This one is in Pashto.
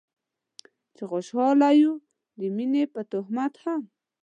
چې خوشحاله يو د مينې په تهمت هم